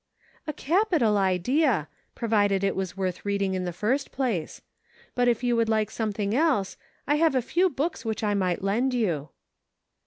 "A capital idea, provided it was worth reading in the first place. But if you would like something else, I have a few books which I might lend you."